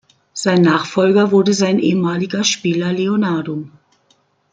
Sein Nachfolger wurde sein ehemaliger Spieler Leonardo.